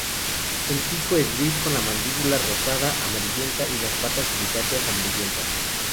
El pico es gris con la mandíbula rosada amarillenta y las patas grisáceas amarillentas.